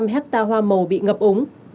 hai mươi năm hecta hoa màu bị ngập ống